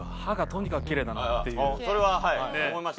それははい思いました。